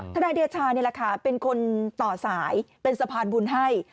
นายเดชานี่แหละค่ะเป็นคนต่อสายเป็นสะพานบุญให้